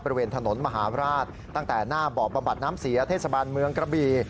บริเวณถนนมหาราชตั้งแต่หน้าบ่อบำบัดน้ำเสียเทศบาลเมืองกระบี